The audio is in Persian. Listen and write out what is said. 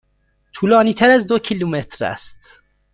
طولانی تر از دو کیلومتر است.